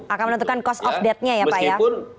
akan menentukan cost of death nya ya pak ya